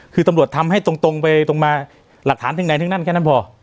คือตำรวจทำให้ตรงไปตรงมาหลักฐานถึงใดทั้งนั้นแค่นั้นพอ